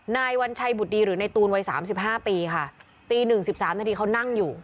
นายวัญชัยบุตรดีหรือในตูนวัยสามสิบห้าปีค่ะตีหนึ่งสิบสามนาทีเขานั่งอยู่